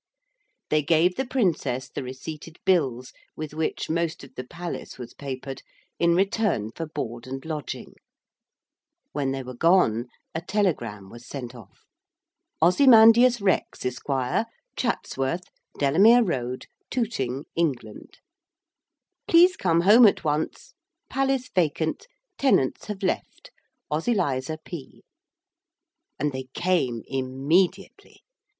They gave the Princess the receipted bills, with which most of the palace was papered, in return for board and lodging. When they were gone a telegram was sent off. Ozymandias Rex, Esq., Chatsworth, Delamere Road, Tooting, England. Please come home at once. Palace vacant. Tenants have left. Ozyliza P. And they came immediately.